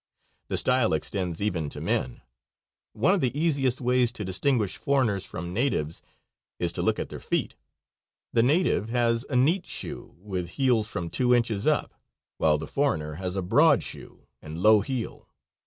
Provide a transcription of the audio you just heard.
The style extends even to the men. One of the easiest ways to distinguish foreigners from natives is to look at their feet. The native has a neat shoe, with heels from two inches up, while the foreigner has a broad shoe and low heel.